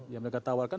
yang mereka tawarkan